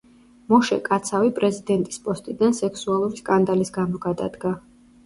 მოშე კაცავი პრეზიდენტის პოსტიდან სექსუალური სკანდალის გამო გადადგა.